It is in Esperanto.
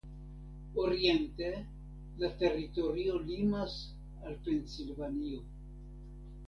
Oriente la teritorio limas al Pensilvanio.